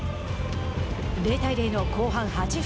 ０対０の後半８分。